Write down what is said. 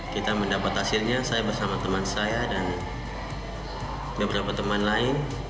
kita mendapat hasilnya saya bersama teman saya dan beberapa teman lain